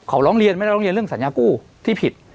เขาร้องเรียนไม่ได้ร้องเรียนเรื่องสัญญากู้ที่ผิด